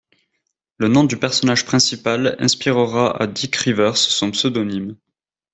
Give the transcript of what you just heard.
Le nom du personnage principal inspirera à Dick Rivers son pseudonyme.